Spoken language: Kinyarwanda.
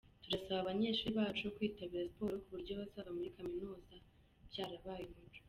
Turasaba abanyeshuri bacu kwitabira siporo ku buryo bazava muri kaminuza byarabaye umuco.